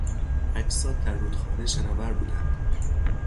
اجساد در رودخانه شناور بودند.